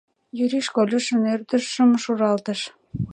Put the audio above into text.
— Юриш Колюшын ӧрдыжшым шуралтыш.